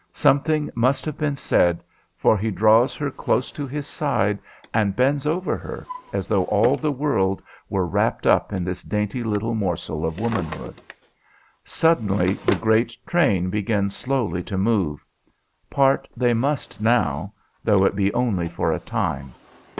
Something must have been said; for he draws her close to his side and bends over her as though all the world were wrapped up in this dainty little morsel of womanhood. Suddenly the great train begins slowly to move. Part they must now, though it be only for a time.